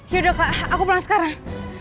yaudah kak aku pulang sekarang